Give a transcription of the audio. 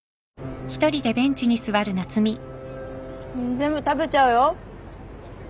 全部食べちゃうよ？